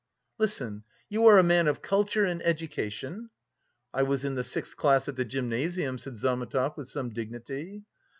"Listen, you are a man of culture and education?" "I was in the sixth class at the gymnasium," said Zametov with some dignity.